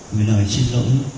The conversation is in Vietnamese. người lời xin lỗi